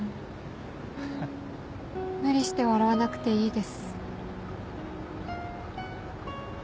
無理して笑わなくていいです。